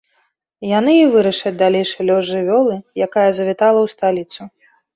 Яны і вырашаць далейшы лёс жывёлы, якая завітала ў сталіцу.